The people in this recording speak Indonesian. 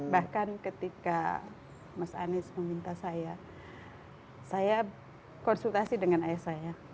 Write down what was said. bahkan ketika mas anies meminta saya saya konsultasi dengan ayah saya